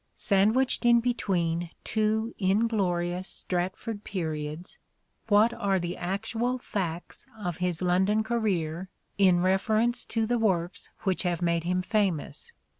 Sandwiched in between two inglorious Stratford periods, what are the actual facts of his London career in reference to the works which have made him famous